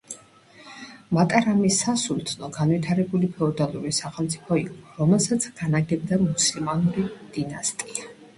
მატარამის სასულთნო განვითარებული ფეოდალური სახელმწიფო იყო, რომელსაც განაგებდა მუსლიმანური დინასტია.